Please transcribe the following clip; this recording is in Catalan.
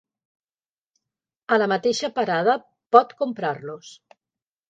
A la mateixa parada pot comprar-los.